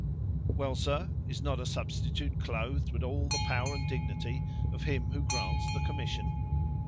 "Well, sir, is not a substitute clothed with all the power and dignity of him who grants the commission?